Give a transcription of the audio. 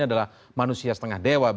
adalah manusia setengah dewa